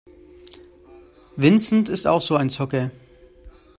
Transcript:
Vincent ist auch so ein Zocker.